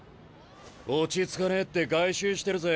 落ち着かねえって外周してるぜ。